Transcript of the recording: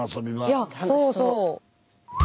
いやそうそう。